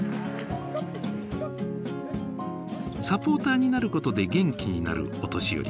サポーターになることで元気になるお年寄り。